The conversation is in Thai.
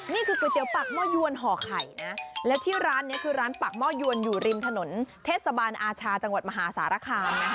ก๋วยเตี๋ยวปากหม้อยวนห่อไข่นะแล้วที่ร้านนี้คือร้านปากหม้อยวนอยู่ริมถนนเทศบาลอาชาจังหวัดมหาสารคามนะคะ